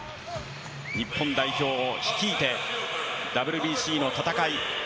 日本代表を率いてＷＢＣの戦い